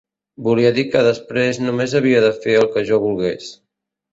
Volia dir que després només havia de fer el que jo volgués.